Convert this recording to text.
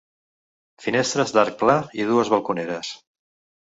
Finestres d'arc pla i dues balconeres.